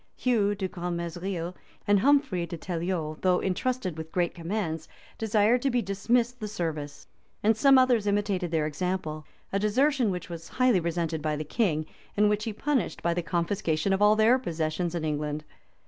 Hugh de Grentmesnil and Humphry de Teliol, though intrusted with great commands, desired to be dismissed the service; and some others imitated their example; a desertion which was highly resented by the king, and which he punished by the confiscation of all their possessions ii England.